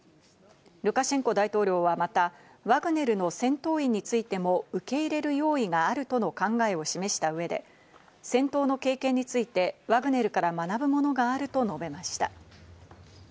ルカシェンコ大統領はまた、ワグネルの戦闘員についても受け入れる用意があるとの考えを示した上で戦闘の経験についてワグネルから学ぶものがあると述べました。